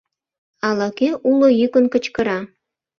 Ала-кӧ уло йӱкын кычкыра: